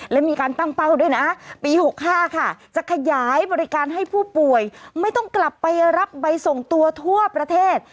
และมีการตั้งเป้าด้วยนะปี๖๕ค่ะจะขยายบริการให้ผู้ป่วยไม่ต้องกลับไปรับใบส่งตัวทั่วประเทศ